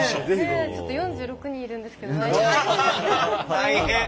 大変。